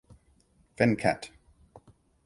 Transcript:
Venkat.